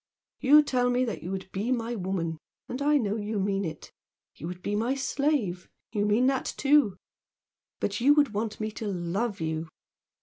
You tell me you would be my woman, and I know you mean it. You would be my slave you mean that, too. But you would want me to love you!